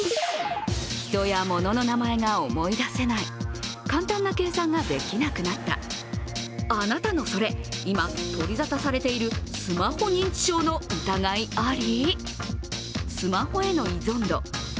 人や物の名前が思い出せない簡単な計算ができなくなった、あなたのそれ、今、取りざたされているスマホ認知症の疑いあり？